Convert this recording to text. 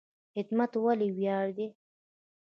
خدمت ولې ویاړ دی؟